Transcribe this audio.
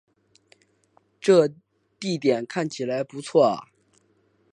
这地点看起来不错啊